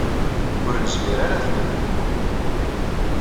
Ur nezmir ara ad ten-nenɣ.